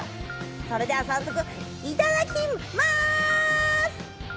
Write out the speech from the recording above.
それでは早速いただきます。